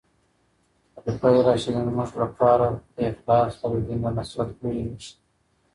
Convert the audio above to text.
خلفای راشدین زموږ لپاره د اخلاص او د دین د نصرت لويې نښې دي.